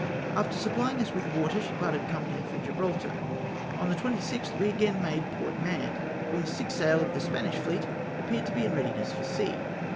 After supplying us witli water, she parted company f(jr Gibraltar. On the 26th we again made Port Mahon, where six sail of the Spanish fleet appeared to be in readiness for sea.